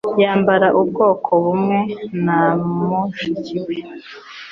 Yambara ubwoko bumwe na mushiki we.